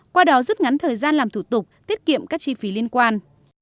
qua đó rút ngắn thời gian làm thủ tục tiết kiệm các chi phí liên quan